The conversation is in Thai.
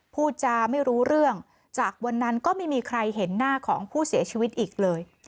พูดจาไม่รู้เรื่องจากวันนั้นก็ไม่มีใครเห็นหน้าของผู้เสียชีวิตอีกเลย